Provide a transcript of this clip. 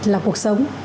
là cuộc sống